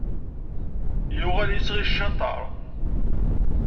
Yuɣal, isɣi d ccateṛ.